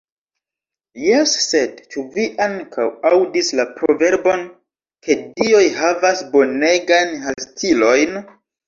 Jes sed, ĉu vi ankaŭ aŭdis la proverbon ke dioj havas bonegajn harstilojn?